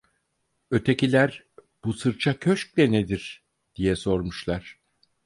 Ötekiler: "Bu sırça köşk de nedir?" diye sormuşlar.